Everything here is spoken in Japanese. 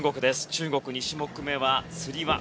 中国、２種目めはつり輪。